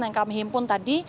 yang kami himpun tadi